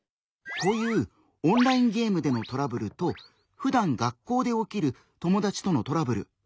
こういうオンラインゲームでのトラブルとふだん学校で起きる友達とのトラブル。